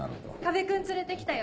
君連れてきたよ。